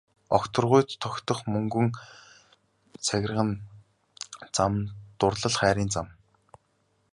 Огторгуйд тогтох мөнгөн цагирган зам дурлал хайрын зам.